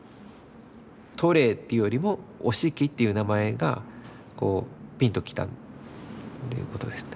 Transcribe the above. トレーというよりも折敷という名前がピンと来たっていうことですね。